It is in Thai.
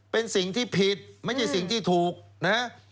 เป็นสิ่งที่ผิดไม่ใช่สิ่งที่ถูกนะฮะ